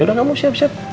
yaudah kamu siap siap